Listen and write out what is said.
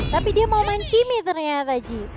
tapi dia mau main kimi ternyata ji